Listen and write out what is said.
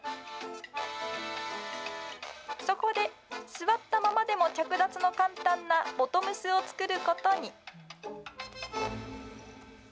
そこで、座ったままでも着脱の簡単なボトムスを作ることに。